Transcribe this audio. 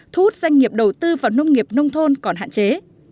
thu hút doanh nghiệp đầu tư vào nông nghiệp nông thôn còn hạn chế